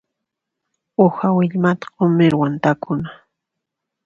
Uha willmata q'umirwan takuna.